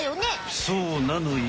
そうなのよ。